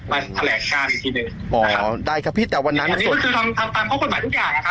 มาแสดงการอีกทีหนึ่งอ๋อได้ครับพี่แต่วันนั้นอันนี้ก็คือคำค้องค้นหมายทุกอย่างนะครับ